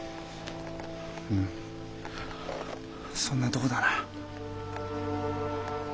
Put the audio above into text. そんなとこだな。